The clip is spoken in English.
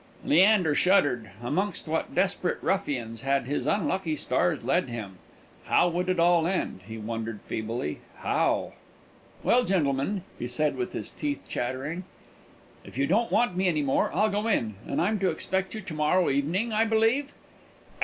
Leander shuddered. Amongst what desperate ruffians had his unlucky stars led him! How would it all end, he wondered feebly how? "Well, gentlemen," he said, with his teeth chattering, "if you don't want me any more, I'll go in; and I'm to expect you to morrow evening, I believe?"